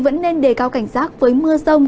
vẫn nên đề cao cảnh giác với mưa sông